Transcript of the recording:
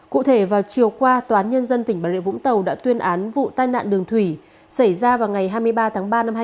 cụ thể vào chiều qua toán nhân dân tỉnh bà rịa vũng tàu đã tuyên án vụ tai nạn đường thủy xảy ra vào ngày hai mươi ba tháng ba năm hai nghìn một mươi bảy